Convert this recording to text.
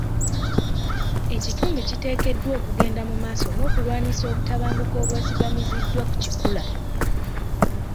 Ekitundu kiteekeddwa okugenda mu maaso n'okulwanisa obutabanguko obwesigamiziddwa ku kikula.